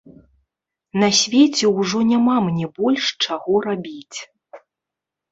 На свеце ўжо няма мне больш чаго рабіць.